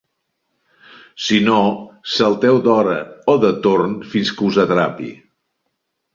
Si no, salteu d'hora o de torn fins que us atrapi.